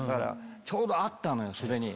ちょうどあったのよ袖に。